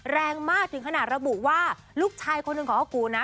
แรงมากถึงขนาดระบุว่าลูกชายคนหนึ่งของอากูนะ